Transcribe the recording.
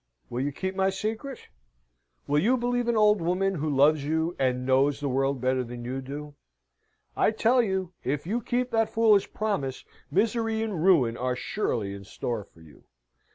Will you keep my secret? Will you believe an old woman who loves you and knows the world better than you do? I tell you, if you keep that foolish promise, misery and ruin are surely in store for you.